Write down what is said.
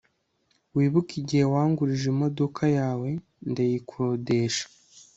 Wibuke igihe wangurije imodoka yawe ndayikodesha